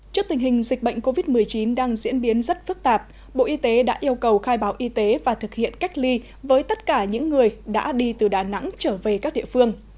trước tình hình dịch bệnh covid một mươi chín đang diễn biến rất phức tạp bộ y tế đã yêu cầu khai báo y tế và thực hiện cách ly với tất cả những người đã đi từ đà nẵng trở về các địa phương